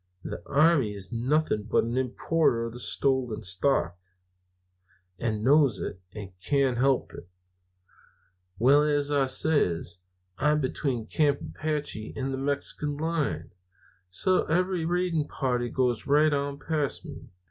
The army is nothing but an importer of stolen stock, and knows it, and can't help it. "Well, as I says, I'm between Camp Apache and the Mexican line, so that every raiding party goes right on past me.